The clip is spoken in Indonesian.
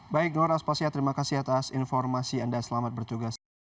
baik nur aspasya terima kasih atas informasi anda selamat bertugas